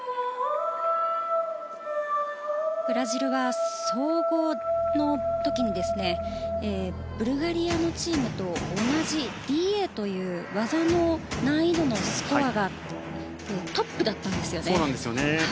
ブラジルは総合の時にブルガリアのチームと同じ技の難易度のスコアがトップだったんですよね。